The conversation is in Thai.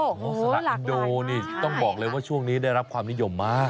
โอ้โหสละอินโดนี่ต้องบอกเลยว่าช่วงนี้ได้รับความนิยมมาก